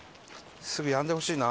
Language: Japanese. すぐやんでほしいな。